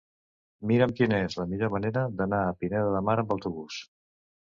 Mira'm quina és la millor manera d'anar a Pineda de Mar amb autobús.